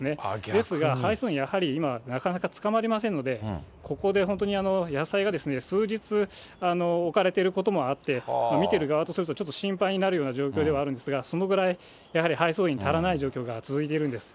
ですが、配送員、やはり今はなかなかつかまりませんので、ここで本当に野菜が数日置かれていることもあって、見ている側とすると、ちょっと心配になるような状況ではあるんですが、そのぐらい、やはり配送員、足らない状況が続いているんです。